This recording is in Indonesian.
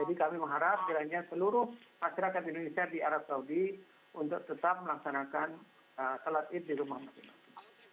jadi kami mengharap jalan seluruh masyarakat indonesia di arab saudi untuk tetap melaksanakan sholat id di rumah masing masing